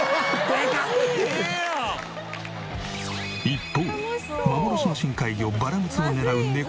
一方幻の深海魚バラムツを狙うね